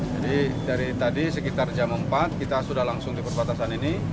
jadi dari tadi sekitar jam empat kita sudah langsung diperbatasan ini